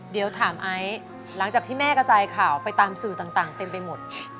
เดี๋ยวถามไอซ์หลังจากที่แม่กระจายข่าวไปตามสื่อต่างเต็มไปหมด